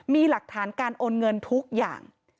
มีหลักฐานการโอนเงินทุกอย่าง